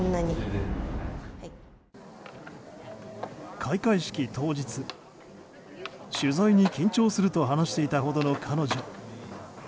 開会式当日取材に緊張すると話していたほどの彼女。